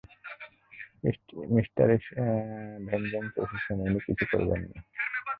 Mister vengeance এসেছেন, উনি কিছু করবেন না।